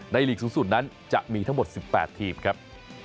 หลีกสูงสุดนั้นจะมีทั้งหมด๑๘ทีมครับ